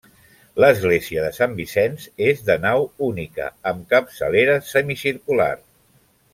L'església de Sant Vicenç és de nau única, amb capçalera semicircular.